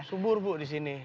subur bu di sini